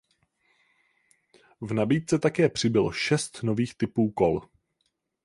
V nabídce také přibylo šest nových typů kol.